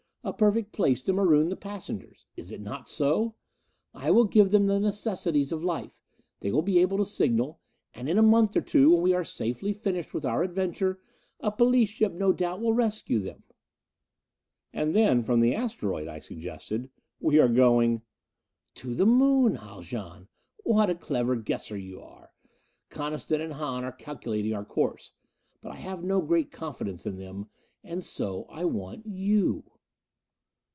A perfect place to maroon the passengers. Is it not so? I will give them the necessities of life. They will be able to signal. And in a month or so, when we are safely finished with our adventure, a police ship no doubt will rescue them." "And then, from the asteroid," I suggested, "we are going " "To the Moon, Haljan. What a clever guesser you are! Coniston and Hahn are calculating our course. But I have no great confidence in them. And so I want you."